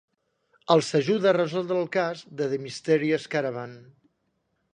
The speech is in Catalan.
Els ajuda a resoldre el cas de The Mysterious Caravan.